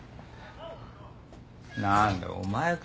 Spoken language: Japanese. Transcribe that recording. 何だお前か。